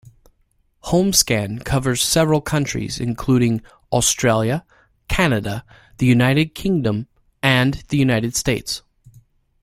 Homescan covers several countries including Australia, Canada, the United Kingdom, and the United States.